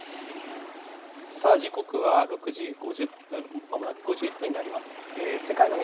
さあ、時刻は６時５０分、まもなく５１分になります。